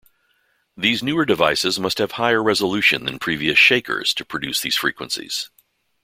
These newer devices must have higher resolution than previous "shakers" to produce these frequencies.